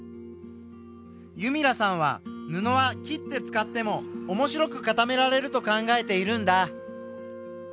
弓良さんは布は切って使っても面白く固められると考えているんだ。